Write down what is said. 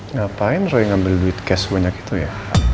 ngapain roy ngambil duit cash sebanyak itu ya